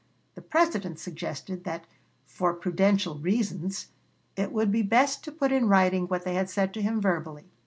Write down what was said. The President suggested that "for prudential reasons" it would be best to put in writing what they had said to him verbally.